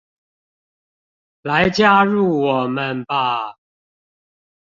來加入我們吧